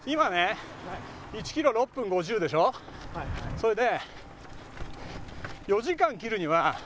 それで。